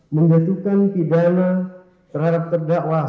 menjatuhkan pidana terhadap terdakwa